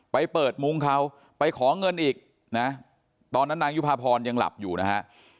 ไปเปิดมุ้งเขาไปขอเงินอีกนะตอนนั้นนางยุภาพรยังหลับอยู่นะฮะ